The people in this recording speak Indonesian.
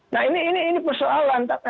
nah ini persoalan